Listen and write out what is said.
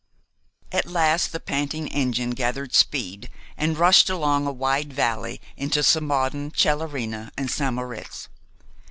At last the panting engine gathered speed and rushed along a wide valley into Samaden, Celerina, and St. Moritz.